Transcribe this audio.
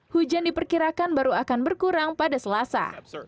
hujan diperkirakan baru akan berkurang pada selasa